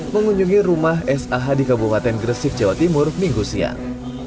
mengunjungi rumah sah di kabupaten gresik jawa timur minggu siang